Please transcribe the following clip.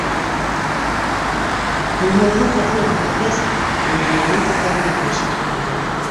Көнһылыуҙың хатын уҡып бөткәс, Мәҙинәнең күҙҙәренә йәш эркелде.